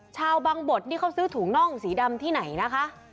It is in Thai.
ชาวบังบดนี่เขาซื้อถุงน่องสีดำที่ไหนนะคะ